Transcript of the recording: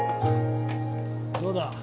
どうだ？